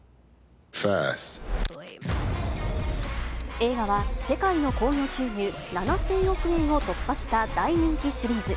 映画は世界の興行収入７０００億円を突破した大人気シリーズ。